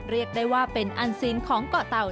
เรียกได้ว่าเป็นอันซีนของเกาะเต่า